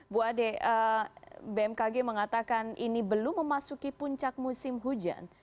bu ade bmkg mengatakan ini belum memasuki puncak musim hujan